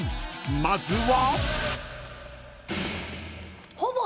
［まずは］